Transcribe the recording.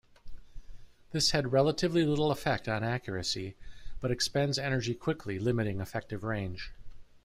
This had relatively little effect on accuracy, but expends energy quickly, limiting effective range.